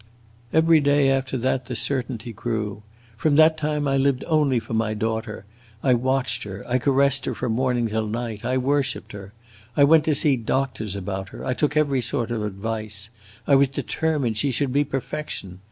Every day, after that, the certainty grew. From that time I lived only for my daughter. I watched her, I caressed her from morning till night, I worshipped her. I went to see doctors about her, I took every sort of advice. I was determined she should be perfection.